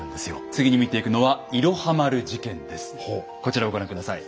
次に見ていくのはこちらをご覧下さい。